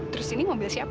terus ini mobil siapa